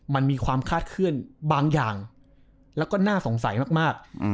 มันมีความคาดเคลื่อนบางอย่างแล้วก็น่าสงสัยมาก